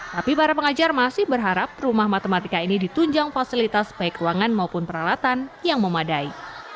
tapi para pengajar masih berharap rumah matematika ini ditunjang fasilitas baik ruangan maupun peralatan yang memadai